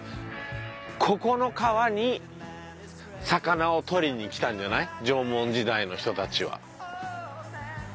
ここの川に魚をとりに来たんじゃない？縄文時代の人たちは。